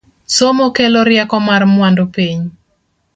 Somo kelo rieko mar mwandu piny